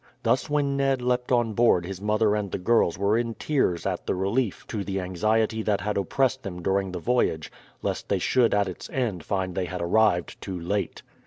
Thus when Ned leapt on board his mother and the girls were in tears at the relief to the anxiety that had oppressed them during the voyage lest they should at its end find they had arrived too late.